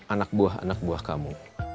anak buah anak buah kamu